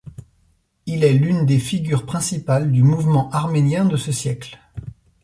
Il est l'une des figures principales du mouvement arménien de ce siècle.